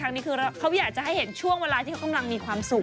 ครั้งนี้คือเขาอยากจะให้เห็นช่วงเวลาที่เขากำลังมีความสุข